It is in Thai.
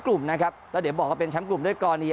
กลุ่มนะครับแล้วเดี๋ยวบอกว่าเป็นแชมป์กลุ่มด้วยกรณี